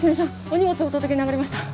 お荷物お届けに上がりました。